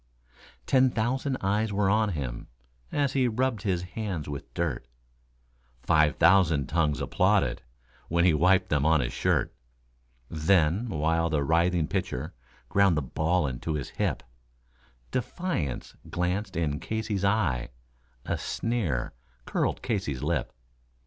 Ten thousand eyes were on him as he rubbed his hands with dirt, Five thousand tongues applauded when he wiped them on his shirt; Then, while the writhing pitcher ground the ball into his hip, Defiance glanced in Casey's eye, a sneer curled Casey's lip.